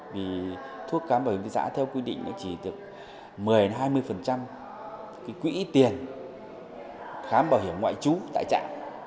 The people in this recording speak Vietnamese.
vì thuốc khám bảo hiểm y tế xã theo quy định nó chỉ được một mươi hai mươi cái quỹ tiền khám bảo hiểm ngoại trú tại trại